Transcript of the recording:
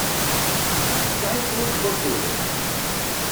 Tesɛiḍ cwiṭ n wakud?